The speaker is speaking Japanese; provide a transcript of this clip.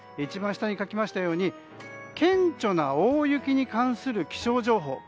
一番下に書きましたように顕著な大雪に関する気象情報。